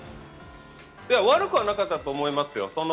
悪くはなかったと思いますよ。